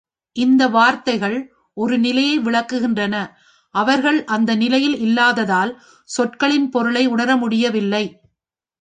இந்த வார்த்தைகள் ஒரு நிலையை விளக்குகின்றன அவர்கள் அந்த நிலையில் இல்லாததால், சொற்களின் பொருளை உணர முடியவில்லை.